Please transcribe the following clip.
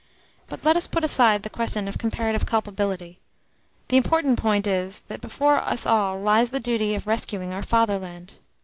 But let us put aside the question of comparative culpability. The important point is, that before us all lies the duty of rescuing our fatherland.